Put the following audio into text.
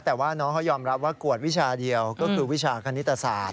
แต่ว่าน้องเขายอมรับว่ากวดวิชาเดียวก็คือวิชาคณิตศาสตร์